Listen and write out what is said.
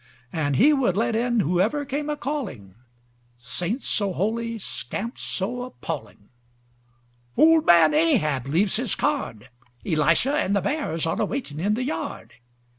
And he would let in whoever came a calling:—Saints so holy, scamps so appalling."Old man Ahab leaves his card. Elisha and the bears are a waiting in the yard.